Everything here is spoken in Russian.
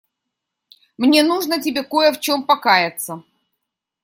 Мне нужно тебе кое в чём покаяться.